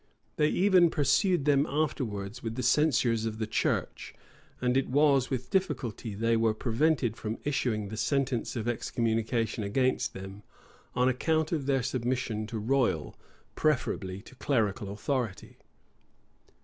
They even pursued them afterwards with the censures of the church; and it was with difficulty they were prevented from issuing the sentence of excommunication against them, on account of their submission to royal, preferably to clerical authority.